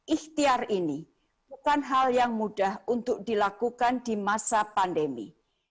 ikhtiar ini bukan hal yang mudah untuk dilakukan di masa pandemi